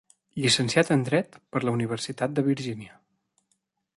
Llicenciat en dret per la Universitat de Virgínia.